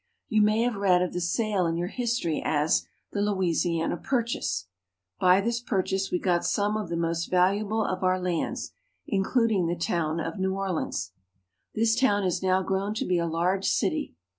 You may have read of the sale in your history as the " Louisi ana purchase." By this purchase we got some of the most valu able of our lands, in cluding the town of New Orleans. This town has now grown to be a large city.